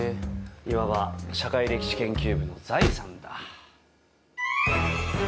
いわば社会歴史研究部の財産だ。